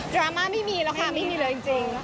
ราม่าไม่มีแล้วค่ะไม่มีเลยจริง